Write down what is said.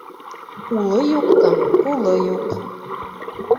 Улы юҡтың ҡулы юҡ.